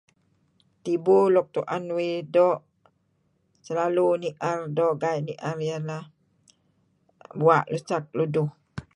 Tibu luk tu'en uih doo' selalu nier doo' gai' ni'er ieh neh bua' busak luduh